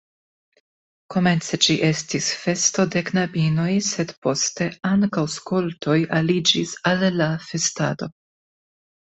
Komence ĝi estis festo de knabinoj, sed poste ankaŭ skoltoj aliĝis al la festado.